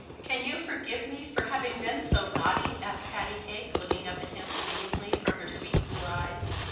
"Can you forgive me for having been so naughty?" asked Pattycake, looking up at him pleadingly from her sweet blue eyes.